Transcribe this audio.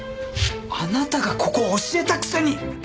あなたがここを教えたくせに！